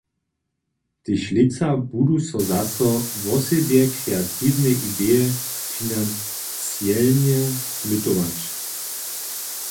Tež lětsa budu so zaso wosebje kreatiwne ideje financielnje mytować.